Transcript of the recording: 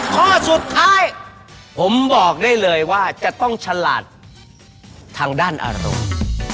ข้อสุดท้ายผมบอกได้เลยว่าจะต้องฉลาดทางด้านอารมณ์